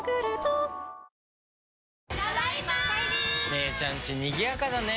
姉ちゃんちにぎやかだね。